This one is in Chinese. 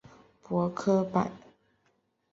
傅科摆